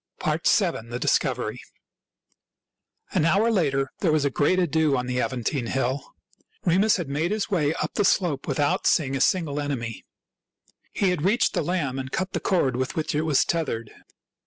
igO THIRTY MORE FAMOUS STORIES VII. THE DISCOVERY An hour later there was a great ado on the Aventine Hill. Remus had made his way up the slope without seeing a single enemy. He had reached the lamb and cut the cord with which it was tethered.